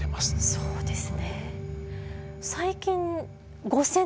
そうです。